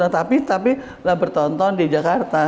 tapi tapi bertonton di jakarta